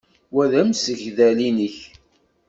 Wa d amsegdal-nnek?